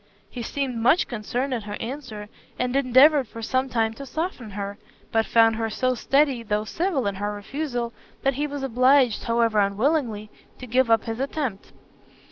He seemed much concerned at her answer, and endeavoured for some time to soften her, but found her so steady, though civil in her refusal, that he was obliged, however unwillingly, to give up his attempt.